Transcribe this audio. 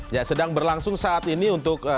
ya sedang berlangsung saat ini untuk